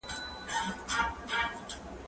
هغه څوک چي امادګي منظم وي!.